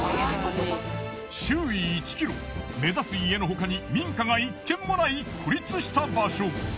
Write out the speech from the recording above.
周囲１キロ目指す家の他に民家が一軒もない孤立した場所。